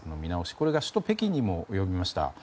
これが首都・北京にも及びました。